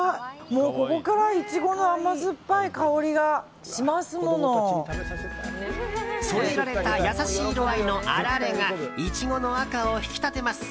ここからイチゴの甘酸っぱい香りがしますもの。添えられた優しい色合いのあられがイチゴの赤を引き立てます。